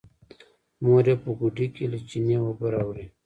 مور يې په ګوډي کې له چينې اوبه راوړې.